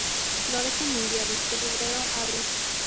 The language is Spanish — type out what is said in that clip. Florece en invierno, de febrero a abril.